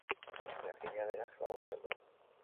Jakina, denak laguntzen du.